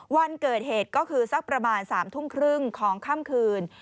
วันเกิดเหตุก็คือสักประมาณ๓ทุ่มครึ่งของค่ำคืน